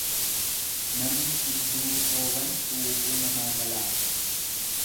Namni hudduu kooban dhuufuu namaa galaasa.